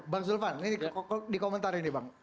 bang zulfan ini dikomentari nih bang